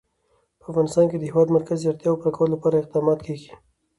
په افغانستان کې د د هېواد مرکز د اړتیاوو پوره کولو لپاره اقدامات کېږي.